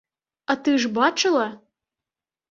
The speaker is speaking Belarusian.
А ты ж бачыла?